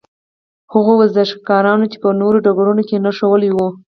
هغو ورزشکارانو چې په نورو ډګرونو کې هنر ښوولی وو.